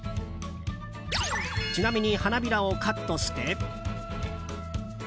ちなみに花びらをカットして。